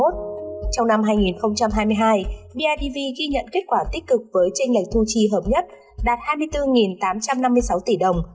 trong năm hai nghìn hai mươi hai bidv ghi nhận kết quả tích cực với tranh lệch thu chi hợp nhất đạt hai mươi bốn tám trăm năm mươi sáu tỷ đồng